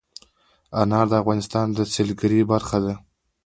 انار د افغانستان د سیلګرۍ برخه ده.